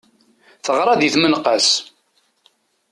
Yeɣra di tmenqas.